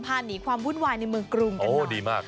พาหนีความวุ่นวายในเมืองกรุงกันหน่อย